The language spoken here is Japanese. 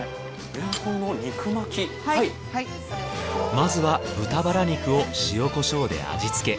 まずは豚バラ肉を塩コショウで味付け。